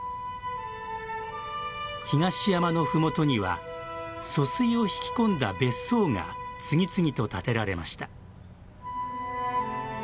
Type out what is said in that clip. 東山の麓には疎水を引き込んだ別荘が次々と建てられました。